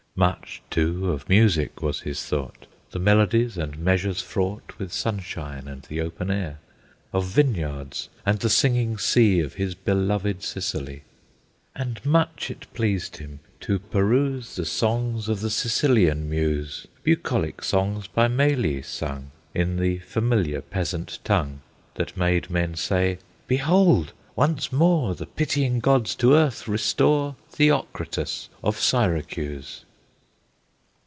Much too of music was his thought; The melodies and measures fraught With sunshine and the open air, Of vineyards and the singing sea Of his beloved Sicily; And much it pleased him to peruse The songs of the Sicilian muse, Bucolic songs by Meli sung In the familiar peasant tongue, That made men say, "Behold! once more The pitying gods to earth restore Theocritus of Syracuse!"